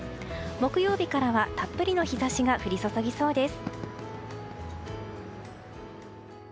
木曜日からはたっぷりの日差しが降り注ぎそうです。